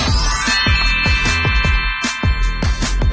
สวัสดีครับ